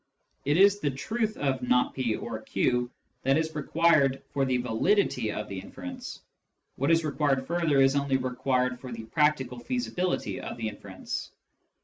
It is the truth of " not /) or q " that is required for the validity of the inference ; what is required further is only required for. the practical feasibility of the inference.